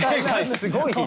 すごい！